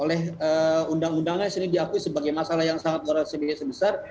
oleh undang undangnya disini diakui sebagai masalah yang sangat luar biasa besar